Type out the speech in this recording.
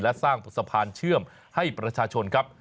และสร้างสะพานเชื่อมให้ประชาชนครับ